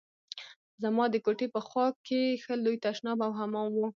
زما د کوټې په خوا کښې ښه لوى تشناب او حمام و.